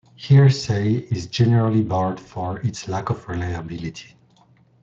Hearsay is generally barred for its lack of reliability.